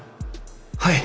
はい！